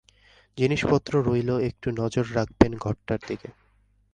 জিনিসপত্র রইল, একটু নজর রাখবেন ঘরটার দিকে।